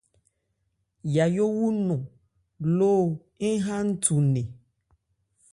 Yayó wu ńnɔ́n lóó ń ha nthu nne.